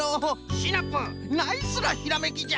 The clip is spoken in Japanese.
シナプーナイスなひらめきじゃ。